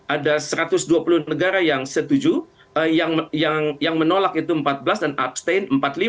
ada satu ratus dua puluh negara yang setuju yang menolak itu empat belas dan abstain empat puluh lima